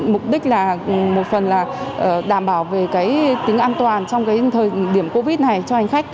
mục đích là một phần là đảm bảo về tính an toàn trong thời điểm covid này cho hành khách